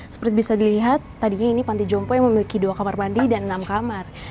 seperti bisa dilihat tadinya ini panti jompo yang memiliki dua kamar mandi dan enam kamar